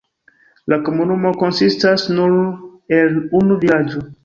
La komunumo konsistas nur el unu vilaĝo.